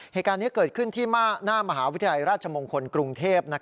เหตุการณ์นี้เกิดขึ้นที่หน้ามหาวิทยาลัยราชมงคลกรุงเทพ